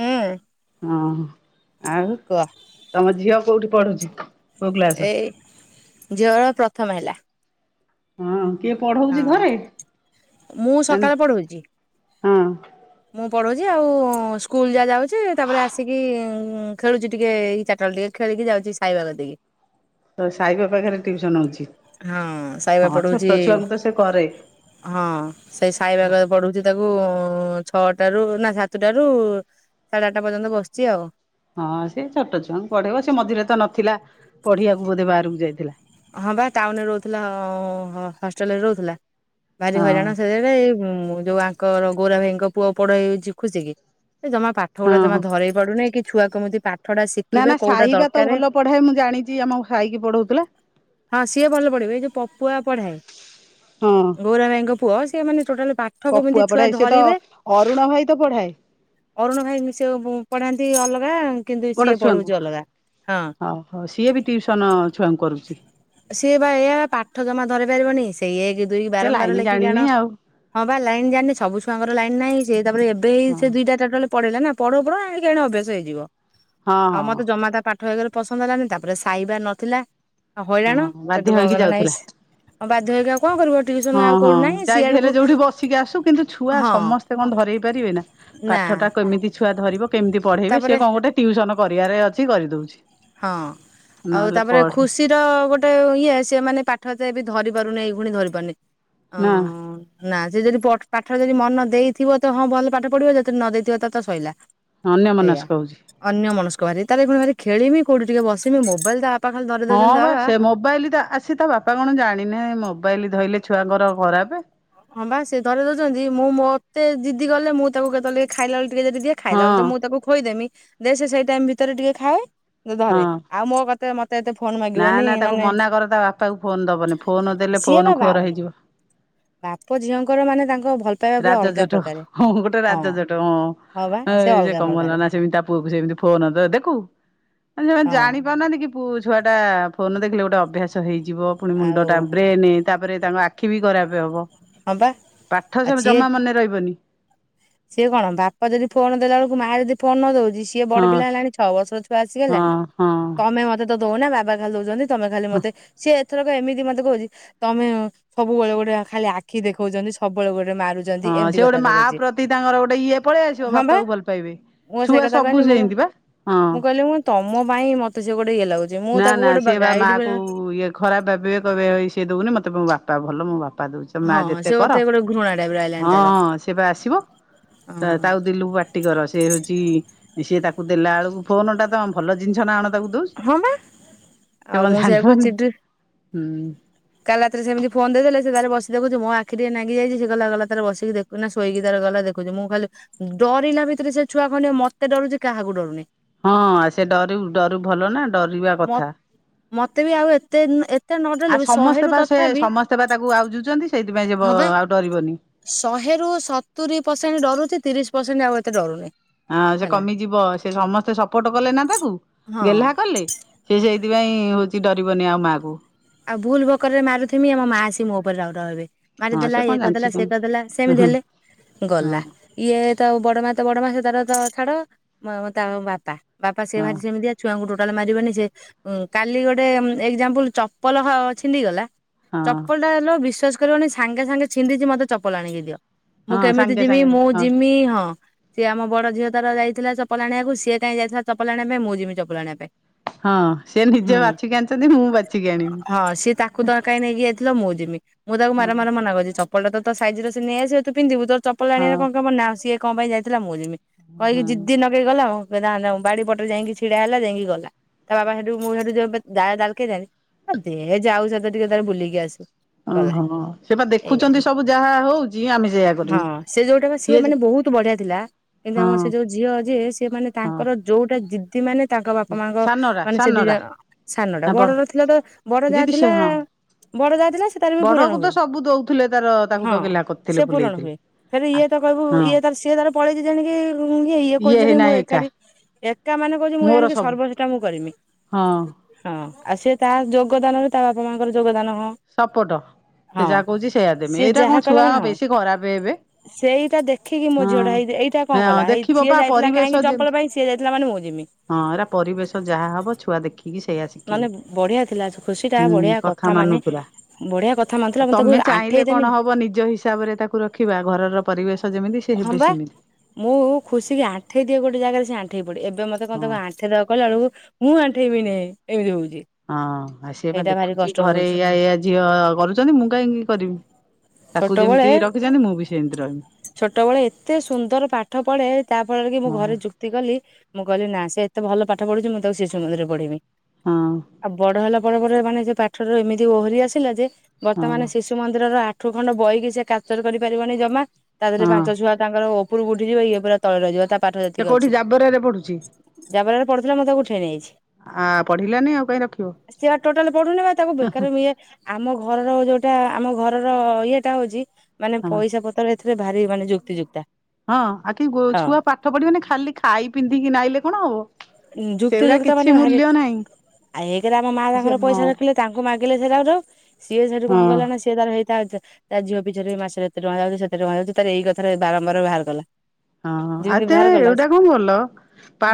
ହୁଁ। ହଁ ଆଉ କୁହ ତମ ଝିଅ କୋଉଠି ପଢୁଛି? କୋଉ କ୍ଲାସ? ଏଇ ଝିଅର ପ୍ରଥମ ହେଲା। ହଁ କିଏ ହଁ ପଢଉଛି ଘରେ? ମୁଁ ସକାଳେ ପଢଉଛି। ହଁ। ମୁଁ ପଢଉଛି ଆଉ ସ୍କୁଲ୍ ଯାହା ଯାଉଛି ତାପରେ ଆସିକି ଖେଳୁଛି ଟିକେ ଏଇ ଚାରିଟାବେଳେ ଟିକେ। ଖେଳିକ ଯାଉଛି ସାଇବା କତିକି। ହ ତ ସାଇ ବାପାଖରେ ଟିଉସନ ହଉଛି। ହଁ ସାଇବା ହଁ ପଢଉଛି ଛୋଟ ଛୁଆଙ୍କୁ ତ ସେ କରେ। ହଁ ସେଇ ସାଇବା ପଢଉଛି ତାକୁ। ଛଅଟାରୁ ନା ସାତଟାରୁ ସାଢ଼େ ଆଠଟା ପର୍ଯ୍ୟନ୍ତ ବସିଛି ଆଉ। ହଁ ସେ ଛୋଟ ଛୁଆଙ୍କୁ ପଢେଇବ ସେ ମଝିରେ ତ ନଥିଲା ପଢିବାକୁ ବୋଧେ ବାହାରକୁ ଯାଇଥିଲା। ହଁ ବା ଟାଉନ୍ ରେ ରହୁଥିଲା ହଷ୍ଟେଲରେ ରହୁଥିଲା ଭାରି ହଁ ହଇରାଣ ସେ ଏଇ ଯୋଉ ଆଙ୍କର ଗୌରା ଭାଇଙ୍କ ପୁଅ ପଡ ହେଇଉଛି ଖୁସି କି। ସେ ଜମା ପାଠ ଗୁଡା ହଁ ଜମା ହଁ ଧରଇ ପଡୁନି କି ଛୁଆ କେମିତି ପାଠ ଟା ନା ଶିଖିବେ ନା କୋଉଟା ସାଇବା ତ ଦରକାର। ଭଲ ପଢାଏ ମୁଁ ଜାଣିଛି ଆମ ସାଇକି ପଢଉ ହଁ ସିଏ ଭଲ ପଢିବ। ଏଇ ଯୋଉ ପପୁଆ ପଢାଏ ହଁ ଗୌରା ଭାଇଙ୍କ ପୁଅ। ସେ ମାନେ ଟୋଟାଲ ପା ପପୁଆ ପଢାଏ, ସେ ତ ଅରୁଣ ଭାଇ ତ ପଢାଏ। ଅରୁଣ ଭାଇ ବି ସେ ଉଁ ପଢାନ୍ତି ଅଲଗା, କିନ୍ତୁ ସିଏ ପଢଉଛି ଅଲଗା ହଁ। ହଁ ସିଏ ବି ଟିଉସନ ଛୁଆଙ୍କୁ କରୁଛି। ସିଏ ବା ଏଇଆ ପାଠ ଜମା ଧରେଇ ପାରିବନି ସେଇ ଏକେ ଦୁଇକି ସେ ବାରମ୍ବାର ଲାଇନ ଲେଖିକି ଜାଣିନି ଆଣ। ଆଉ। ହଁ ବା ଲାଇନ୍ ଜାଣିନି। ସବୁ ଛୁଆଙ୍କର ଲାଇନ୍ ନାହିଁ, ସେ ତାପରେ ଏବେ ହେଇ ସେ ଦୁଇଟା ଟୋଟାଲେ ପଡେଇଲା ନା। ପଢଉ ପଢଉ ଆଣିକି ଏଣି ଅଭ୍ୟାସ ହେଇଯିବ। ହଁ ଆଉ ମତେ ହଁ ଜମା ତା ପା ପାଠ ଏକେରେ ପସନ୍ଦ ହେଲାନି, ତାପରେ ସାଇବା ନଥିଲା। ହଇରାଣ ହଁ ବାଧ୍ୟ ସେଠୁ କଣ ହେଇକି କଲ ନାଇଁ ଯାଉଥିଲା। ଇସ୍ ବାଧ୍ୟ ହେଇକି ଆଉ କଣ କରିବ। ଟିଉସନ ହଁ ଆଉ ହଁ କୋଉଠି ନାହିଁ ଯାଇକି ସିଆଡକୁ ହେଲେ ଯୋଉଠି ବସିକି ଆସୁ କିନ୍ତୁ ଛୁଆ ହଁ ସମସ୍ତେ କଣ ଧରେଇ ପାରିବେ ନା। ନା ପାଠ ଟା କେମିତି ଛୁଆ ଧରିବ କେମିତି ପଢେଇବେ ତାପରେ ସିଏ କଣ ଗୋଟେ ଟିଉସନ କରିବାରେ ଅଛି କରିଦଉଛି। ହଁ ଆଉ ନହେଲେ ତାପରେ ପଢେ ଖୁସ୍ ର ଗୋଟେ ଇଏ ସିଏ ମାନେ ପାଠ ଯେ ଏବେ ବି ଧରି ପାରୁନି ଏଇଖୁଣି ଧରି ପାରୁନି ହଁ। ନା ନା ସେ ଯଦି ପ ପାଠରେ ଯଦି ମନ ଦେଇଥିବ ତ ହଁ ଭଲ ପାଠ ପଢିବ ଯଦି ନ ଦେଇଥିବ ତ ତ ଶଇଲା। ଅନ୍ୟମନସ୍କ ହଉଛି। ଅନ୍ୟମନସ୍କ ଭାରି ତାରେ ଏଖୁଣୀ ଭାରି ଖେଳିମି କଉଠି ଟିକେ ବସିମି ମୋବାଇଲ ଟା ହଁ ବା ସେ ମୋବାଇଲଟା ଆ ସେ ତା ବାପା କଣ ଜାଣିନି ମୋବାଇଲ ଧଇଲେ ଛୁଆଙ୍କର ଖରାପ। ହଁ ବା ସିଏ ଧରେଇ ଦଉଛନ୍ତି ମୁଁ ମତେ ଜିଦି କଲେ ମୁଁ ତାକୁ କେତେବେଳେ ଟିକେ ଖାଇଲାବେଳକୁ ଟିକେ ଯଦି ଦିଏ। ହଁ ଖାଇଲା ବେଳକୁ ତ ମୁଁ ତାକୁ ଖୋଉଇଦେମି ଦେ ସେ ସେଇ ଟାଇମ୍ ଭିତରେ ଟିକେ ଖାଏ ଧରେ ଆଉ ମୋ କତେ ମତେ। ମତେ ଏତେ ଫୋନ୍। ନାଁ ନାଁ ତାକୁ ମନା କର ତା ବାପାକୁ ଫୋନ ଦବନି ଫୋନ ଦେଲେ ସିଏ ବା ଫୋନ ବା ଖୋର୍ ହେଇଯିବ। ବାପ ଝିଅଙ୍କର ମାନେ ତାଙ୍କ ଭଲ୍। ରାଜଜୋଟକ ହଁ ଗୋଟେ ରାଜଜୋଟକ ବା ହଁ ସେ ଏଇ ଯେ ଅଲଗା କଣ କଲା ପ୍ରକାରେ ନା ସେମିତି ତା ପୁଅକୁ ସେମିତି। ଫୋନ ତ ଦେଖୁ ମାନେ ସେମାନେ ହଁ ଜାଣି। ପାରୁନାହାନ୍ତି କି ପୁ ଛୁଆଟା ଫୋନ୍ ଦେଖିଲେ ଗୋଟେ ଅଭ୍ୟାସ ହେଇଯିବ ପୁଣି ଆଉ ମୁଣ୍ଡ ଟା ବ୍ରେନ। ତାପରେ ତାଙ୍କ ଆଖି ବି ଖରାପ ହବ। ହଁ ପା। ଠ ସବୁ ଜମା ମନେ ରହିବନି। ସିଏ କଣ ବାପ ଯଦି ଫୋନ ଦେଲା ବେଳକୁ ମା ଯଦି ଫୋନ୍ ନଦଉଛି। ସିଏ ହଁ ବଡ ପିଲା ହେଲାଣି ଛଅ ବର୍ଷର ଛୁଆ ଆସିି ହଁ ହେଲାଣି ନା ହଁ ତମେ ମତେ ତ ଦଉ ନା ବାବା ଖାଲି ଦଉଛନ୍ତି। ତମେ ଖାଲି ମତେ ସିଏ। ଥରକ ଏମିତି ମତେ କହୁଛି ତମେ ସବୁବେଳେ ଗୋଟେ ଖାଲି ଆଖି ଦେଖଉଛନ୍ତି ସବୁବେଳେ ଗୋଟେ ମାରୁ। ହଁ ସେ ଗୋଟେ ମା ପ୍ରତି। ସିଏ ତାଙ୍କର ଗୋଟେ ଇଏ ପଳେଇ ଆସିବ ହଁ ବା ବାପା କୁ ଭଲ ପାଇବେ ମୁଁ ସେଇ ଛୁଆ କଥା କହିଲି ସବୁ ମୁଁ ସେମିତି ବା ହଁ। ମୁଁ କହିଲି ମୁଁ ତମ ପାଇଁ ମତେ ସେ ଗୋଟେ ଇଏ ଲାଗୁଛି। ମୁଁ ନା ତାକୁ ନା ଗୋଟେ ସେ ବା ଗାଇଡ ମାଆ କୁ ବେଳେ ଇଏ ଖରାପ ଭାବିବେ। କହିବେ ହେଇ ସିଏ ଦଉନି ମତେ ମୋ ବାପା ଭଲ ମୋ ବାପା। ପା ଦଉଛି। ମା ହଁ ସେ ଯେତେ ମତେ କର। ଗୋଟେ ଘୃଣା ଟାଇପର ଆଇଲାଣି ହଁ ତାର ହଁ ସେ ବା ଆସିବ। ତା ତାକୁ ଦେଲୁ ବା। କର। ସେ ହଉଛି ସିଏ ତାକୁ ଦେଲା ବେଳକୁ ଫୋନ ଟା ତ ଭଲ ଜିନିଷ ନା କଣ ତାକୁ ଦୋଉ। ହଁ ପା। ସେ ମଧ୍ଯ ଜାଣିପାରୁନି ହୁଁ। କାଲି ରାତିରେ ସେମିତି ଫୋନ ଦେଇ ଦେଲେ ସେ ତାର ବସି ଦେଖୁଛି। ମୋ ଆଖି ଟିକେ ନାଗି ଯାଇଛି ସେ ଗଲା ଗଲା ତାର ବସିକି ଦେଖୁ। ଶୋଇକି ତାର ଗଲା ଦେଖୁଛି। ମୁଁ ଖାଲି ଡରିଲା ଭିତରେ ସେ ଛୁଆ ଖଣ୍ଡିକ ମତେ ଡରୁଛି କାହାକୁ ଡରୁନି। ହଁ ହଁ ସେ ଡରୁ ଡରୁ ଭଲ ନା ଡରିବା ମତେ କଥା। ମତେ ବି ଆଉ ଏତେ ଏତେ ନ ଡରିଲେବି ଶହେ। ସେ ବା ସେ ସମସ୍ତେ ବା ତାକୁ ଆଉଯୁଛନ୍ତି ସେଇଥିପାଇଁ ଯିବ ହଁ ବା। ଆଉ ଡରିବନି। ଶହେରୁ ସତୁରି ପରସେଣ୍ଟ ଡରୁଛି। ତିରିଶ ପରସେଣ୍ଟ ଆଉ ଏତେ ଡରୁନି। ଆଁ ସେ ହେଲା। କମିଯିବ ସେ ସମସ୍ତେ ସପୋର୍ଟ କଲେ ନା ତାକୁ ହଁ ଗେହ୍ଲା କଲେ। ସେ ସେଇଥିପାଇଁ ହଉଛି ଡରିବନି ଆଉ ମାଆ କୁ। ଆଉ ଭୁଲ ଭକରରେ ମାରୁଥିମିଁ ଆମ ମା ଆସି ମୋ ଉପରେ ରାଉ ରାଉ ହେବେ। ହଁ ମାରିଦେଲା ସେ କଣ ଇଏ କରି ଜାଣିଛି ଦେଲା ସେ କଣ କରିଦେଲା ସେମିତି ହଁ ହେଲେ ଗଲା। ହଁ ଇଏ ତ ବଡ ମା ତ ବଡ ମା ସେ ତାର ତ ଛାଡ ମୋ ମୋ ତା ବାପା ବାପା ସିଏ ହଁ ଭାରି ସେମିତିଆ ଛୁଆଙ୍କୁ ଟୋଟାଲେ ମାରିବନି ସେ ଉଁ କାଲି ଗୋଟେ ଏକ୍ଜାମ୍ପୁଲ୍ ଚପଲହ ଛିଣ୍ଡିଗଲା ହଁ ଚପଲ୍ ଟା ର ହେଲେ ବିଶ୍ଵାସ୍ କରିବନି ସାଙ୍ଗେ ସାଙ୍ଗେ ଛିଣ୍ଡିଚି ମତେ ଚପଲ ଆଣିକି ଦିଅ। ମୁଁ ହଁ କେମିତି ସାଙ୍ଗେ ଯିବି ସାଙ୍ଗେ ମୁଁ ହଁ ଯିମି ହଁ ସିଏ ଆମ ବଡ ଝିଅ ତାର ଯାଇଥିଲା ଚପଲ ଆଣିବାକୁ ସିଏ କାହିଁ ଯାଇଥିଲା ଚପଲ ଆଣିବା ପାଇଁ ମୁଁ ଯିମି ଚପଲ ଆଣିବା ପାଇଁ। ହଁ ସେ ନିଜେ ହୁଁ ବାଛିକି ଆଣିଛନ୍ତି ମୁଁ ବା ହଁ ସିଏ ତାକୁ ତ କାହିଁ ନେଇକି ଯାଇଥିଲ ମୁଁ ଯିବି ମୁଁ ତାକୁ ହଁ ମାରମାର ମନା କରୁଚି ଚ ପଲଟା ତ ସାଇଜ୍ ର ସେ ନେଇ ଆସିବ ତୁ ପନ୍ଧିବୁ ତୋର୍ ଚପଲ ଆଣିଆ ହଁ ର କଣ କାମ ନାଁ ସିଏ କଣ ପାଇଁ ଯାଇଥିଲା ମୁଁ ଯିବି। କହିକି ହଁ। ଜିଦ୍ଦି ନଗେଇ ଗଲା ଉଁ ଫେରାନଉ ବାଡି ପଟରେ ଯାଇକି ଛିଡା ହେଲା ଯାଇକି ଗଲା। ତା ବାବା ହେଠୁ ମୁଁ ଯଦି ଯବେ ଡା ଡାଲ୍କେ ଯାରି ଦେ ଯାଉସେତ ଟିକେ ତାର ବୁଲିକି ଆସୁ। ଗଲା ଅହ ସେ ପା ଏଇଆ। ଦେଖୁଛନ୍ତି ସବୁ ଯାହା ହୋଉଚି ଆମେ ସେୟା ହଁ କରିମୁଁ ସେ ଯୋଉଟା ସିଏ ଯେ ମାନେ ବହୁତ୍ ବଢିଆ ଥିଲା କିନ୍ତୁ ହଁ ଆମ ସେ ଯୋଉ ଝିଅ ଯିଏ ସିଏ ମାନେ ହଁ ତାଙ୍କର ଯୋଉଟା ଜିଦି ମାନେ ତାଙ୍କ ବାପା ମାଙ୍କ ସାନରା ମାନେ ସେ ସାନରା ଦିଜଣ ସାନଟା ନା ବଡ ବଡଟା ଥିଲା ତ ବଡ ଯା ଦିଦି ସେ ଥିଲା ହଁ ବଡ ଯା ଥିଲା ସେତାର ବି ବଡକୁ ପୂରଣ ତ ହୁଏ ସବୁ ଦଉଥିଲେ ତାର ତାକୁ ତ ହଁ ଗେହ୍ଲା କରିଥିଲେ ସେ ପୂରଣ ବୁଲେଇଥିଲେ ହୁଏ। ଫେରେ ଆ ଇଏ ତ କହିବୁ ହଁ ଇଏ ତାର ସିଏ ତାର ପଳେଇଛି ଜାଣିକି ଗୁନ୍ଗୀ ଇଏ କୋଜାଣି ହେଇନା ମୁଁ ଏକା ଏକାଠି ଏକା ମାନେ କହୁଚି ମୁଁ ମୋର ଜାଣିକି ସବୁ ସର୍ବ ସେଟା ମୁଁ କରିମି ହଁ ହଁ ଆଉ ସେ ତା ଯୋ ଗଦାନ ରେ ତା ବାପା ମାଙ୍କର ଯୋଗଦାନ ହଁ ସପୋଟ ସେ ହଁ ଯାହା କହୁଛି ସେଇଆ ଦେମି ସିଏ ଏଇରା ଯାହା କଁ କଲା ଛୁଆ ମାନେ ହଁ ବେଶୀ ଖରାପେ ହେବେ। ସେଇଟା ଦେଖିକି ମୋ ହଁ ଝିଅଟା ହେଇ ଏଇଟା କଁ ହଁ କଲା ହେଇ ଦେଖିବ ପା ସିଏ ଯାଇଥିଲା ପରିବେଶ କାହିଁକି ଯେ ଚପଲ ପାଇଁ ସିଏ ଯାଇଥିଲା ମାନେ ମୁଁ ଯିମି। ହଁ ଏରା ପରିବେଶ ଯାହା ହବ ଛୁଆ ଦେଖିକି ସେଇଆ ଶିଖିବେ। ମାନେ ବଢିଆ ଥିଲା ଖୁସିଟା ହୁଁ ବଢିଆ କଥା ମାନେ। ମାନୁଥିଲା। ବଢିଆ କଥା ମାନୁଥିଲା ମୁଁ ତାକୁ ଆଣ୍ଠେଇ ଦେମି ବ ନିଜ ହିସ୍। ତାପରେ ତାକୁ ରଖିବା ଘରର ପରିବେଶ ଯେମିତି ସେ ହେବେ ହଁବା ସେମିତି। ମୁଁ ଖୁସିିକି ଆଣ୍ଠେଇ ଦିଏ ଗୋଟେ ଜାଗାରେ ସେ‌ ଆଣ୍ ଏବେ ମତେ କଣ ହଁ ତମେ ଆଣ୍ଠେଇ ଦେବାକୁ କହିଲା ବେଳକୁ ମୁଁ ଆଣ୍ଠେଇବି ନେଇଁ ଏମିତି ହଉଚି। ହଁ ଆ ସେ‌ପା ଦେଖୁତି ଘରେ ଏୟା ଏୟା ଝିଅ କରୁଚନ୍ତି ମୁଁ କାହିଁକି କରିବି। ତାକୁ ଛୋଟବେଳେ ଯେମ୍ତି ରଖିଛନ୍ତି ମୁଁ ବି ସେମ୍ତି ରହିବି। ଛୋଟବେଳେ ଏତେ ସୁନ୍ଦର୍ ପାଠ ପଢ଼େ ତା ଫଳରେ କି ମୁଁ ହଁ ଘରେ ଯୁ ଜିଦି କଲି ମୁଁ କହିଲି ନାଁ ସେ ଏତେ ଭଲ ପାଠ ପଢ଼ୁଛି ମୁଁ ତାକୁ ଶିଶୁମନ୍ଦିରରେ ପଢ଼େଇବି। ହଁ ଆ ବଡ ହେଲା ପରେ ପରେ ମାନେ ଯ ପାଠରେ ଏମିତି ଓହରି ଆସିଲା ଯେ ହଁ। ବର୍ତ୍ତମାନେ ସିସ୍ ମନ୍ଦିରର ଆଠୁ ଖଣ୍ଡ ବହିକି ସେ କାପ୍ଚର୍ କରିପାରିବନି ଜମା ତା ଦେହରେ ହଁ ପାଞ୍ଚ ଛୁଆ ତାଙ୍କର ଓପରୁ କୁ ଉଠିଯିବ ଇଏ ପୁରା ତଳେ ରହିଯିବ ତା ପାଠ ସେ ଯେତିକି କୋଉଠି ଅଛି। ଜାବରରେ ପଢୁଛି ଯା ବେଳରେ ପଢୁ ଥିଲା ମୁଁ ତାକୁ ଉଠେଇ ନେଇଆଛି। ଆ ପଢିଲାନି ଆଉ କାହିଁ ରଖିବ ସିଏ ଆଉ ଟୋଟାଲ୍ ପଢୁନି ବା ତାକୁବେକାରେ ମୁଁ ଇଏ ଆମ ଘରର ଯୋଉଟା ଆମ ଘରର ଇଏଟା ହଉଚି ମାନେ ହଁ। ପଇସା ପ ଥିରେ ଭାରି ମାନେ ଯୁକ୍ତିଯୁକ୍ତା। ହଁ ଆଖି ଗୋ ହଁ। ଛୁଆ ପାଠ ପଢିବେନେ ଖାଲି ଖାଇ ପିନ୍ଧିକି ନାଇଲେ କଣ ହବ? ଯୁକ୍ତି ସେଗୁରା ଯୁକ୍ତ କିଛି ମାନେ ଭାରି ମୂଲ୍ୟ ନାହିଁ ଆ ଏକେରେ ଆମ ମା ସେ ତାଙ୍କର ହଁ ପଇସା ରଖିଲେ। ତାଙ୍କୁ ମାଗିଲେ ସେ ରାଉ ରାଉ ସିଏ ସେଠୁ କଣ ହଁ କଲାନା ସିଏ ତାର ହେଇତା ତା ଝିଅ ପିଛାରେ ମାସେରେ ଏତେ ଟଙ୍କା ହେଇ ଯାଉଚି ସେତେ ଟଙ୍କା ହେଇ ଯାଉଚି ତାର ଏଇ କଥାରେ ବାରମ୍ବାର ବାହାର କଲା। ହଁ ଯେମିତି ଆଉତେ ବାହାର କଲା ଏଉଡା କଁ ଭଲ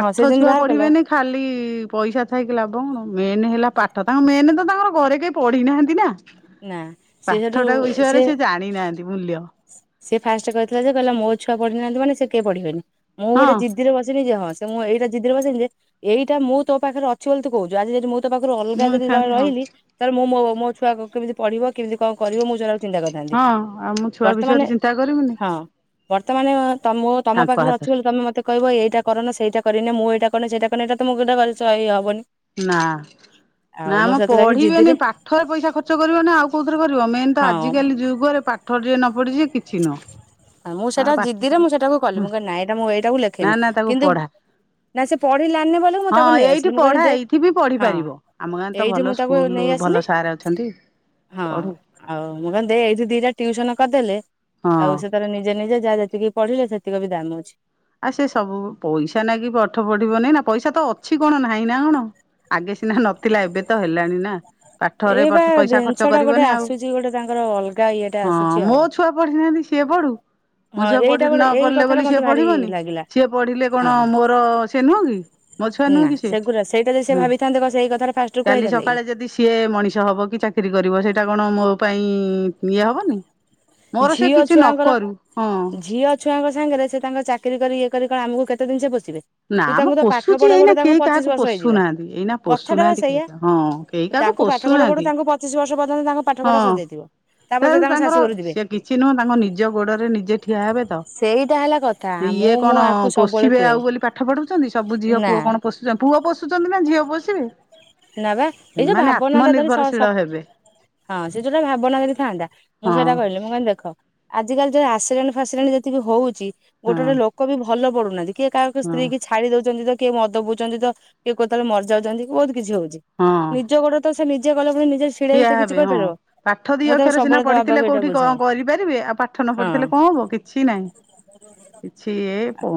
ହଁ ସେ ଯେମିତି ଛୁଆ ବାହାର କଲା ପଢିବେନି ଖାଲି ପଇସା ଥାଇକି ଲାଭ କଣ ମେନେ ହେଲା ପାଠ ତାଙ୍କ ମେନ୍ ତ ତାଙ୍କର ଘରେ କେହି ପଢି ନାହାନ୍ତି ନାଁ ନା ସିଏ ସେଠୁ ପାଠ ଟା ବିସୟରେ ସେ ଜାଣି ନାହାନ୍ତି ମୂଲ୍ୟ। ସେ ଫାଷ୍ଟେ କହିଥିଲା ଯେ କଇଲା ମୋ ଛୁଆ ପଢି ନାନ୍ତି ମାନେ ସେ କିଏ ପଢିବେନି ମୁଁ ଗୋଟେ ହଁ ଜି ଜିଦି ବସିନି ଯେ ହଁ ସେ ମୁଁ ଏଇଟା ଜିଦିରେ ବସିନି ଯେ ଏଇଟା ମୁଁ ତୋ ପାଖରେ ଅଛି ବୋଲି ତୁ କୋହୁଚୁ ଆଜି ଯଦି ମୁଁ ତୋ ପାଖରୁ ମୁଁ ଅଲ୍ଗା ଯଦି ଏଥାନ୍ତି ହଁ ରହିଲି ତାଲେ ମୁଁ ମୋ ମୋ ଛୁଆକୁ କେମିତି ପଢ଼ିବ କେମିତି କଣ କରିବ ମୁଁ ସେଇଟାକୁ ଚିନ୍ତା କରିଥାନ୍ତି। ହଁ ଆମ ବର୍ତ୍ତମାନେ ହଁ ବର୍ତ୍ତମାନେ ତ ମୁଁ ତମ ତାଙ୍କ ପାଖରେ ହାତରେ ଅଛି ବୋଲି ତମେ ମତେ କହିବ ଏଇଟା କରନା ସେଇଟା କରିନି ମୁଁ ଏଇଟା କରନି ସେଇଟା କରିନି ଏଇଟା ତ ମୁଁ [unintelligible] ଏଇ ହବନି। ନା। ଆଉ ନା ମୁଁ ମ ସେଥିଲାଗି ପଢିବେନି ଜିଦିରେ ପାଠରେ ପଇସା ଖର୍ଚ୍ଚ କରିବନି ଆଉ କୋଉଥରେ କରିବ ମେନ ତ ହଁ ଆଜିକାଲି ଯୁଗରେ ପା ପାଠ ଟିଏ ନ ପଢିଚି କିଛି ନୁହଁ। ମୁଁ ଆଉ ସେଇଟା ପାଠ ପଢ ଜିଦିରେ ମୁଁ ସେଟାକୁ କଲି, ମୁଁ କହିଲି ନା ମୁଁ ଏଇଟାକୁ ନା ଲେଖେମି, ନା ତାକୁ କିନ୍ତୁ ପଢା ନା ସେ ପଢିଲାନି ବୋଲି ମୁଁ ହଁ ତାକୁ ନେଇ ଏଇଠି ଆସିଲି, ମୁଁ କହିଲି ପଢା ଦେ ଏଇଠି ବି ପଢି ହଁ ପାରିବ ଆମ ଗାଁରେ ତ ଭଲ ଏଇଠି ମୁଁ ତାକୁ ସ୍କୁଲ ନେଇ ଭଲ ଆସିଲି। ସାର୍ ଅଛନ୍ତି ହଁ ପଢୁ। ଆଉ ମୁଁ କହିଲି ଦେ ଏଇଠି ଦି ଟା ଟିଉସନ କରିଦେଲେ, ଆଉ ସେ ତାର ନିଜେ ନିଜେ ଯାହା ଯେତିକି ପଢିଲେ ସେତିକ ବି ଦାମ ଅଛି। ଆ ସେ ସବୁ ପଇସା ନାଗି ପାଠ ପଢିବନି ନା, ପଇସା ତ ଅଛି କଣ ନାହିଁ ନା କଣ। ଆଗେ ସିନା ନଥିଲା ଏବେ ତ ହେଲାଣି ନା। ପାଠରେ ଏଇ ବା ପଠ୍ ପଇସା ଜିନିଷ ଖର୍ଚ୍ଚ ଟା ଗୋଟେ କରିବନି ଆଉ, ଆସୁଛି ଗୋଟେ ତାଙ୍କର ଅଲଗା ଇଏଟା ହଁ ଆସୁଛି ମୋ ଆଉ ଛୁଆ ପଢିନାହାନ୍ତି ସିଏ ପଢୁ, ମୋ ହଁ ଛୁଆ ପଢି ଏଇଟା ଗୋଟେ ନ ଏଇ ପଢିଲେ କଥାଟା ବୋଲି ମତେ ସିଏ ଭାରି ପଢିବନି। ଲାଗିଲା ସିଏ ପଢିଲେ ହଁ କଣ ମୋର ସେ ନୁହଁ କି ମୋ ଛୁଆ ନୁହଁ ନା କି ସେ ହଁ। ଫାଷ୍ଟ ରୁ କାଲି କହିଦେଲେ କି? ସକାଳେ ଯଦି ସିଏ ମଣିଷ ହବ କି ଚାକିରି କରିବ ସେଇଟା କଣ ମୋ ପାଇଁ ଇଏ ହବନି। ମୋର ସେ ଝିଅ କିଛି ନ ଛୁଆଙ୍କର କରୁ, ହଁ। ଝିଅ ଛୁଆଙ୍କ ସାଙ୍ଗରେ ସେ ତାଙ୍କ ଚାକିରି କରି ଇଏ କରି କଣ ଆମକୁ କେତେ ଦିନ ସେ ପୋଷିବେ। ନା ତୁ ମ ତାଙ୍କୁ ତ ପାଠ ପୋଷୁଛି ପଢଉ ଏଇନା ପଢଉ ତାଙ୍କୁ କେହି ପଚିଶ କାହାକୁ ବର୍ଷ ହେଇଯିବ, ପୋଷୁନାହାନ୍ତି ଏଇନା କଥାଟା ବା ପୋଷୁନାହାନ୍ତି କେହି ସେଇଆ। ହଁ କେହି କାହାକୁ ତାଙ୍କୁ ପାଠ ପଢଉ ପଢଉ ପୋଷୁନାହାନ୍ତି ତାଙ୍କୁ ପଚିଶ ବର୍ଷ ପର୍ଯ୍ୟନ୍ତ ତାଙ୍କ ପାଠ ପଢା ହଁ ସରିଯାଇଥିବ। ତାପରେ ତାଙ୍କ ଶାଶୁଘରୁ ଯିବେ ସେ କିଛି ନୁହଁ ତାଙ୍କ ନିଜ ଗୋଡରେ ନିଜେ ଠିଆ ହେବେ ତ। ସେଇଟା ହେଲା କଥା ଇଏ ମୁଁ ମୁଁ କଣ ଆକୁ ସବୁବେଳେ ପୋଷିବେ କୁହେ ଆଉ ବୋଲି ପାଠ ପଢୁଚନ୍ତି, ସବୁ ଝିଅ ନା ପୁଅ କଣ ପୋଷୁଛନ୍ତି ପୁଅ ପୋଷୁଛନ୍ତି ନା ଝିଅ ପୋଷିବେ। ନା ବା ଏଇ ଯୋଉ ସେମାନେ ଭାବନା ଟା ଧରି ସ ଆତ୍ମନିର୍ଭରଶୀଳ ସ ହେବେ ହଁ ସେ ଯୋଉଟା ଭାବନା ଯଦି ଥାନ୍ତା, ମୁଁ ହଁ ସେଇକଥା କହିଲି ମୁଁ କହିଲି ଦେଖ ଆଜିକାଲି ଯୋଉ ଆସିଡେଣ୍ଟ ଫାସିଡେଣ୍ଟ ଯେତିକି ହଉଚି ହଁ ଗୋଟେ ଗୋଟେ ଲୋକ ବି ଭଲ ପଡୁନାହାନ୍ତି କିଏ କାହାକୁ ହଁ ସ୍ତ୍ରୀ କି ଛାଡି ଦଉଛନ୍ତି ତ କିଏ ମଦ ପିଉଚନ୍ତି ତ କିଏ କେତେବେଳେ ମରିଯାଉଚନ୍ତି ବହୁତ କିଛି ହଉଚି ହଁ ନିଜ ଗୋଡରେ ତ ସେ ନିଜେ ଗଲା ପରେ ନିଜେ ଛିଡା ଠିଆ ହେଇ ତ କିଛି ହେବେ ହଁ କରିପାରିବ। ପାଠ ଦି ମୁଁ ତାକୁ ଅକ୍ଷର ସିନା ସବୁବେଳେ ତା ପଢିଥିଲେ ବାବାକୁ ଏଇଟା କୋଉଠି କଣ ବୁଝାଏ କରିପାରିବେ ଆଉ ପାଠ ନ ହଁ। ପଢିଥିଲେ କଣ ହବ କି କିଛି ନାହିଁ କିଛି ଏ କଣ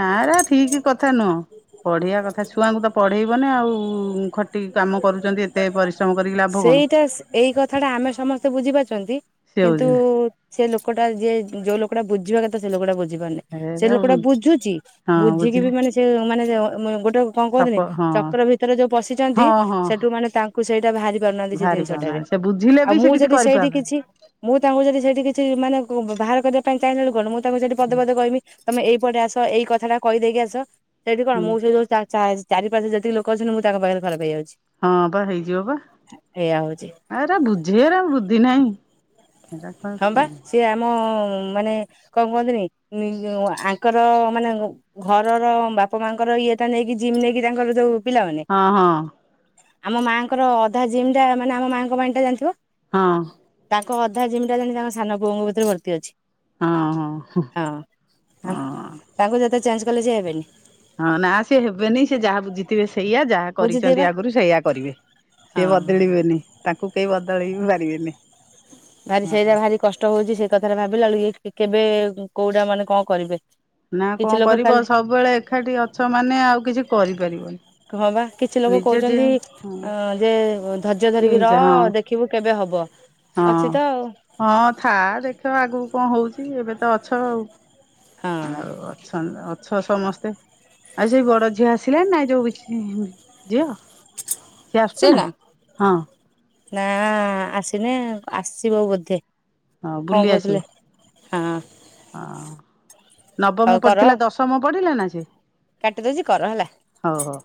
ନା ଏଗୁରା ଠିକ୍ କଥା ନୁହଁ। ପଢେଈବା କଥା, ଛୁଆଙ୍କୁ ତ ପଢେଇବନି ଆଉ ଖଟିକି କାମ କରୁଛନ୍ତି ଏତେ ପରିଶ୍ରମ୍ ସେଇଟା ସ ଏଇ କଥାଟା ଆମେ ସମସ୍ତେ ବୁଝିପାରୁଚନ୍ତି ସେ କିନ୍ତୁ ବୁଝିନା ସେ ଲୋକଟା ଯିଏ ଯୋଉ ଲୋକଟା ବୁଝିବା କଥ ସେ ଲୋକଟା ବୁଝି ପାରୁନି, ସେ ଏରା ଲୋକଟା ବୁଝି ବୁଝୁଚି, ହଁ ବୁଝିକି ବି ବୁଝିଲି ମାନେ ସେ ମାନେ ଅ ମ ଗୋଟେ କଣ ସପ କୁହନ୍ତିନି ହଁ ଚକ୍ର ଭିତରେ ଯୋଉ ପଶିଚନ୍ତି ହଁ ହଁ ସେଠୁ ମାନେ ତାଙ୍କ୍ କୁ ସେଇଟା ବାହାରି ପାରୁନାହାନ୍ତି ସେ ଭାରି ଜିନିଷଟାରେ, ପାଉନାହାନ୍ତି ସେ ବୁଝିଲେ ଆଉ ବି ସେ ମୁଁ କିଛି ଯଦି ସେଇଠି କରିପାରୁନାହାନ୍ତି କିଛି ମୁଁ ତାଙ୍କୁ ଯଦି ସେଇଠି କିଛି ମାନେ ଉ ବାହାର କରିବା ପାଇଁ ଚାହିଁଲା ବେଳୁ କଣ ମୁଁ ତାଙ୍କୁ ସେଠି ପଦେପଦେ କହିବି। ତମେ ଏଇପଟେ ଆସ ଏଇ କଥାଟା କହିଦେଇକି ଆସ ସେଇଠି କଣ ହୁଁ। ମୁଁ ସେ ଯୋଉ ଚା ଚାରି ପାଶ ଯେତିକି ଲୋକ କହୁଚନ୍ତି ମୁଁ ତାଙ୍କ ପାଖରେ ଖରାପେ ହେଇଯାଉଚି। ହଁ ବା ହେଇଯିବ ବା, ହଉଛି। ଆରେ ବୁଝେୟାର ବୁଦ୍ଧି ନାହିଁ। ଏରା କଣ ହଁ ପା ସିଏ ଆମ ମାନେ କଣ କୁହନ୍ତିନି ନି-ଆଙ୍କର ମାନେ ଘରର ବାପା ମା ଙ୍କର ଇଏ ତା ନେଇକି ଜିମ୍ ନେଇକି ତାଙ୍କର ଯୋଉ ପିଲାମାନେ, ହଁ ହଁ ଆମ ମା ଙ୍କର ଅଧା ଜିମ୍ ଟା ମାନେ ଆମ ମାଙ୍କ ପାଇଁ ଟା ଜାଣିଥିବ ହଁ। ତାଙ୍କ ଅଧା ଜିମ୍ ଟା ଯେମିତି ତାଙ୍କ ସାନ ପୁଅଙ୍କ ଭିତରେ ଭର୍ତ୍ତି ଅଛି, ହଁ। ହଁ। ତାଙ୍କୁ ଯେତେ ଚେଞ୍ଜ କଲେ ସିଏ ହେବେନି। ହଁ ନା ସେଏ ହେବେନି, ସେ ଯାହା ବୁଝିଥିବେ ସେଇଆ ଯାହା ବୁଝୁଥିବେ କରିଛନ୍ତି ବା ଆଗରୁ ସେଇଆ କରିବେ ହଁ ସିଏ ବଦଳିବେନି। ତାଙ୍କୁ କେହି ବଦଳେଇ ବି ପାରିବେନି। ଭାରି ସେଇରା ଭାରି କଷ୍ଟ ହଉଛି ସେଇ କଥାରେ ଭାବିଲା ବେଳକୁ କେବେ କୋଉଟା ମାନେ କଣ କରିବେ। ନା କିଛି କଣ ଲୋକ କରିବ ଖାଲି ସବୁବେଳେ ଏକାଠି ଅଛ ମାନେ ଆଉ କିଛି କରିପାରିବନି। ହୁଁ ପା। କିଛି ଲୋକ ନିଜେ ଯେ କହୁଛନ୍ତି ଯେ ଧର୍ଯ୍ୟ ଇଏ ଧରିକି ର ହେଇଯା ହଁ ଦେଖିବୁ କେବେ ହବ। ଅଛି ହଁ। ତ ଆଉ। ହଁ ଥା ଦେଖ ଆଗକୁ କଣ ହଉଛି ଏବେ ତ ଅଛ ଆଉ ହଁ ଆଉ ଛ ଅଛ ସମସ୍ତେ ଆଉ ସେଇ ବଡ ଝିଅ ଆସିଲାଣି ନାଇଁ ଯୋଉ ବିକି ଝିଅ ସିଏ ଆସୁଛି ସେ ନା ହଁ ନା ଆସିନି ଆସିବ ବୋଧେ। ହଁ କଣ ବୁଲି ଆସିବ କହୁଥିଲେ ହଁ ହଁ। ନବମ ହଉ କର ପଡିିଥିଲା ଦଶମ ପଢିଲା ନା ସେ କାଟିଦଉଛି କର ହେଲା। ହଉ ହଉ।